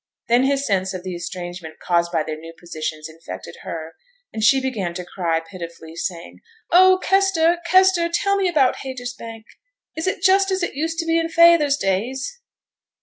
Then his sense of the estrangement caused by their new positions infected her, and she began to cry pitifully, saying, 'Oh, Kester! Kester! tell me about Haytersbank! Is it just as it used to be in feyther's days?'